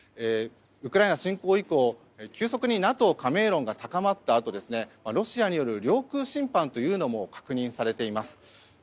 ウクライナ侵攻以降急速にＮＡＴＯ加盟論が高まったためにロシアによる領空侵犯というのも確認されています。